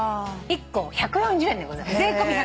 １個１４０円でございます。